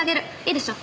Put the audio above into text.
いいでしょ？